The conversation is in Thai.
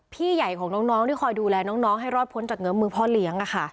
พี่ใหญ่ของน้องที่คอยดูแลน้องให้รอดพ้นจากเงื้อมือพ่อเลี้ยง